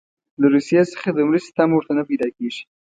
له روسیې څخه د مرستې تمه ورته نه پیدا کیږي.